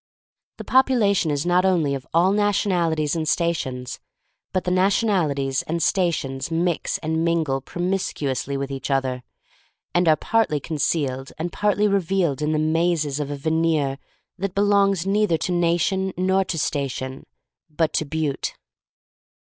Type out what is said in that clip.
The population is not only of all na tionalities and stations, but the nation alities and stations mix and mingle promiscuously with each other, and are partly concealed and partly revealed in the mazes of a veneer that belongs neither to nation nor to station, but to Butte.